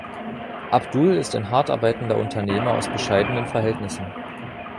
Abdul ist ein hart arbeitender Unternehmer aus bescheidenen Verhältnissen.